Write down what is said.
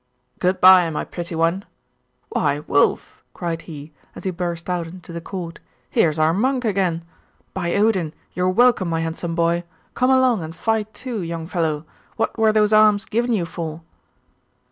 'Good bye, my pretty one. Why, Wulf,' cried he, as he burst out into the court, 'here's our monk again! By Odin, you're welcome, my handsome boy! come along and fight too, young fellow; what were those arms given you for?